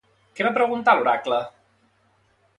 Què va preguntar a l'oracle?